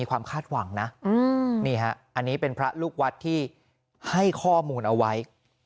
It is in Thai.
อันนี้เป็นพระลูกวัดที่ให้ข้อมูลเอาไว้